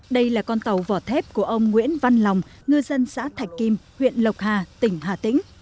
đây là con tàu vỏ thép của ông nguyễn văn lòng ngư dân xã thạch kim huyện lộc hà tỉnh hà tĩnh